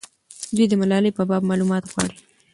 دوی د ملالۍ په باب معلومات غواړي.